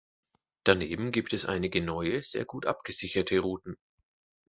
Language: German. Daneben gibt es einige neue, sehr gut abgesicherte Routen.